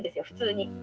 普通に。